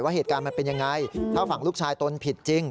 เหตุการณ์มันเป็นยังไงถ้าฝั่งลูกชายตนผิดจริง